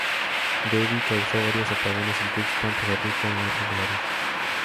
Debby causó varios apagones en Tuxpan, Poza Rica y en otros lugares.